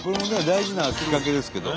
大事なきっかけですけど。